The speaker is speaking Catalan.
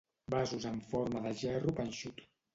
Vasos en forma de gerro panxut.